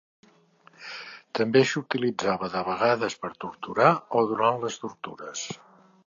També s'utilitzava de vegades per torturar o durant les tortures.